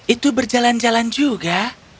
itu berjalan jalan juga